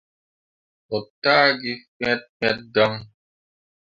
Mo taa gi fet fet dan.